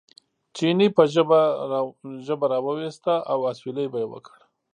چیني به ژبه را وویسته او اسوېلی به یې وکړ.